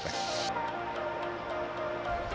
stasiun halim jakarta